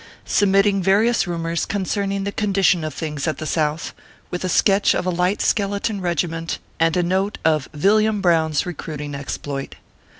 SUBMITTING VARIOUS RUMORS CONCERNING THE CONDITION OP THINGS AT THE SOUTH, WITH A SKETCH OF A LIGHT SKELETON REGIMENT AND A NOTE OF VILLIAM BROWN S RECRUITING EXPLOIT.